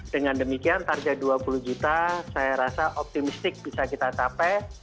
dengan demikian target dua puluh juta saya rasa optimistik bisa kita capai